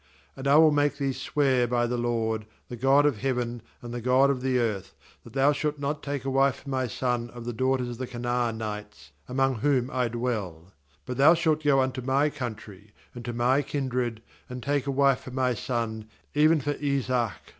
8And I wi] make thee swear by the LORD, the God of heaven and the God of the earth, that thou shalt not take a wife for my son of the daughters of the Canaanites, among whom I dwell. fBut thou shalt go unto my country, and to my kindred, and take a wife for my son, even for Isaac.'